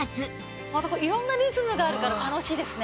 色んなリズムがあるから楽しいですね。